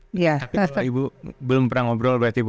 tapi kalau ibu belum pernah ngobrol berarti